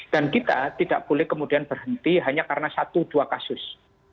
dan kita tidak boleh kemudian berhenti hanya karena satu dua kasus